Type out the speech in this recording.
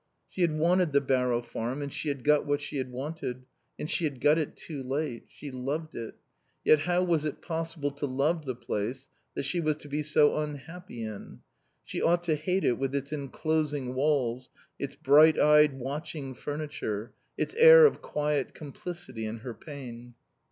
She had wanted the Barrow Farm and she had got what she had wanted, and she had got it too late. She loved it. Yet how was it possible to love the place that she was to be so unhappy in? She ought to hate it with its enclosing walls, its bright eyed, watching furniture, its air of quiet complicity in her pain.